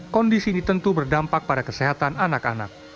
kondisi ini tentu berdampak pada kesehatan anak anak